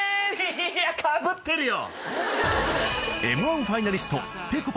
いやかぶってるよ！